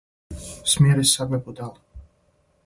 смири себе будало!